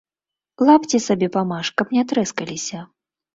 Лапці сабе памаж, каб не трэскаліся.